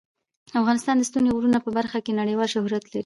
افغانستان د ستوني غرونه په برخه کې نړیوال شهرت لري.